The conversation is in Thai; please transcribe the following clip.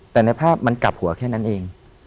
แต่ในภาพมันกลับหัวแค่นั้นเอง